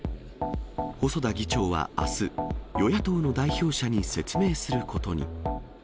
細田議長はあす、与野党の代表者に説明することに。